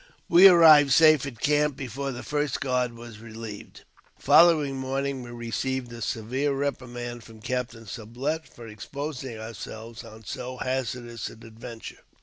We arrived safe at camp before the first guard was relieved. The following morning we received a severe reprimand from Captain Sublet for exposing ourselves on so hazardous an adventure.